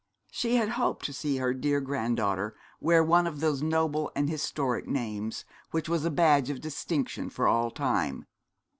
She had hoped to see her dear granddaughter wear one of those noble and historic names which are a badge of distinction for all time.